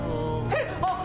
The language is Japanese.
えっ！